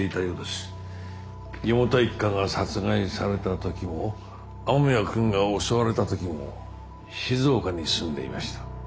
四方田一家が殺害された時も雨宮君が襲われた時も静岡に住んでいました。